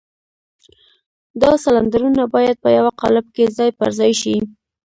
دا سلنډرونه بايد په يوه قالب کې ځای پر ځای شي.